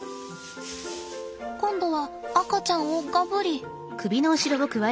今度は赤ちゃんをガブリ。